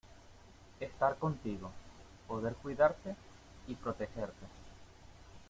estar contigo, poder cuidarte y protegerte.